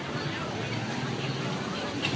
จังหรือยาย